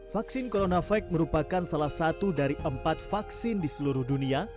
vaksin coronavac merupakan salah satu dari empat vaksin di seluruh dunia